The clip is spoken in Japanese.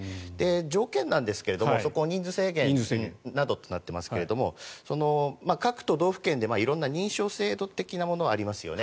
条件なんですが人数制限などとなっていますが各都道府県で色んな認証制度的なものがありますよね。